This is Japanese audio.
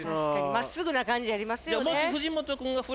真っ直ぐな感じありますよね。